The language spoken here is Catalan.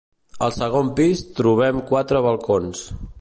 Al segon pis trobem quatre balcons.